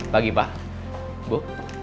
pagi pak ibu